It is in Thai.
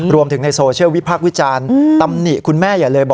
รวมถึงในโซเชียลวิพากษ์วิจารณ์อืมตำหนิคุณแม่อย่าเลยบอก